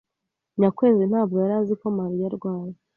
Nyakwezi ntabwo yari azi ko Mariya arwaye.